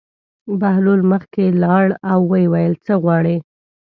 بهلول مخکې لاړ او ویې ویل: څه غواړې.